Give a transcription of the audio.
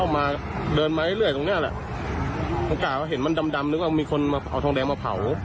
มันกล่าวว่าเห็นมันดำนึกว่ามีคนเอาทองแดงมาเผา